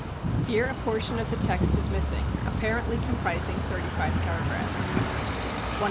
[Here a portion of the text is missing, apparently comprising thirty five paragraphs.] 100.